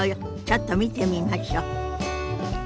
ちょっと見てみましょ。